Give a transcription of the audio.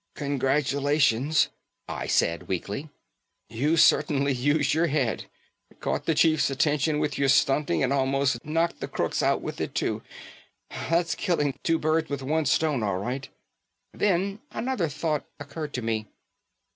"Congratulations," I said weakly. "You certainly used your head. Caught the chief's attention with your stunting and almost knocked the crooks out with it too. That's killing two birds with one stone, all right." Then another thought occurred to me.